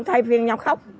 thay phiên nhau khóc